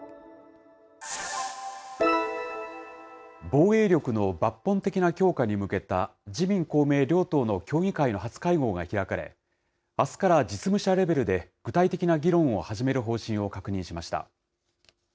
防衛力の抜本的な強化に向けた、自民、公明両党の協議会の初会合が開かれ、あすから実務者レベルで具体的な議論を始める方針を確認しました。